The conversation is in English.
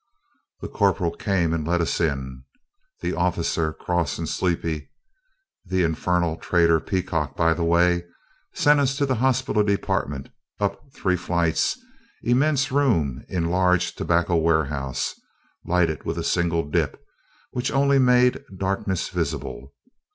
The corporal came and let us in. The officer, cross and sleepy (the infernal traitor, Peacock, by the way), sent us to the hospital department, up three flights, immense room in large tobacco warehouse, lighted with a single dip, which only made darkness visible.